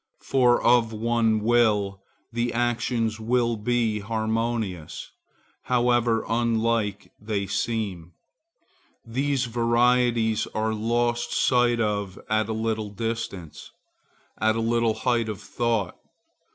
For of one will, the actions will be harmonious, however unlike they seem. These varieties are lost sight of at a little distance, at a little height of thought.